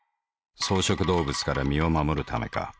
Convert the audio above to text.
草食動物から身を護るためか。